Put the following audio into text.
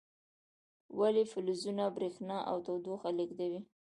ولې فلزونه برېښنا او تودوخه لیږدوي؟